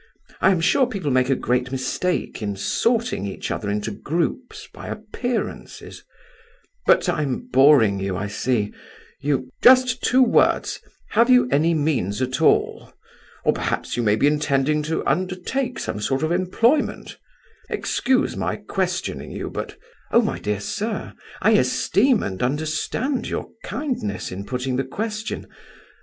I am sure people make a great mistake in sorting each other into groups, by appearances; but I am boring you, I see, you—" "Just two words: have you any means at all? Or perhaps you may be intending to undertake some sort of employment? Excuse my questioning you, but—" "Oh, my dear sir, I esteem and understand your kindness in putting the question.